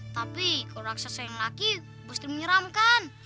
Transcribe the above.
tapi kalau raksasa yang laki pasti menyeramkan